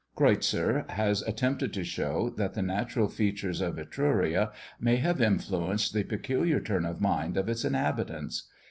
Creuzer has attempted to show, that the natural features of Etruria may have influenced the peculiar turn of mind of its inhabitants.